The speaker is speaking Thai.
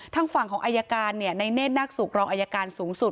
ทางฝั่งของอายการในเนธนักสุขรองอายการสูงสุด